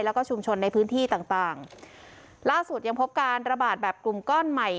แล้วก็ชุมชนในพื้นที่ต่างต่างล่าสุดยังพบการระบาดแบบกลุ่มก้อนใหม่